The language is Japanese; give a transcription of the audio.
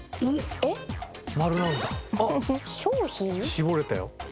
絞れたよ。